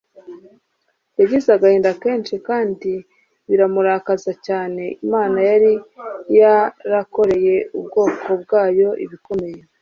yagize agahinda kenshi kandi biramurakaza cyane Imana yari yarakoreye ubwoko bwayo ibikomeye